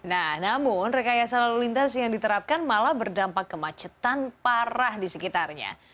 nah namun rekayasa lalu lintas yang diterapkan malah berdampak kemacetan parah di sekitarnya